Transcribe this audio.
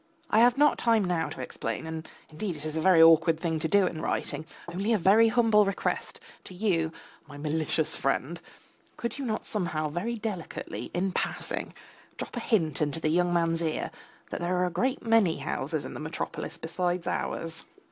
I have not time now to explain, and indeed it is an awkward thing to do in writing, only a very humble request to you, my malicious friend: could you not somehow very delicately, in passing, drop a hint into the young man's ear that there are a great many houses in the metropolis besides ours?